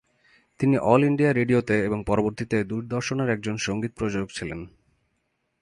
তিনি All India রেডিওতে এবং পরবর্তীতে দূরদর্শনের একজন সংগীত প্রযোজক ছিলেন।